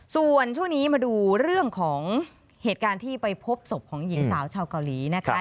ส่วนช่วงนี้มาดูเรื่องของเหตุการณ์ที่ไปพบศพของหญิงสาวชาวเกาหลีนะคะ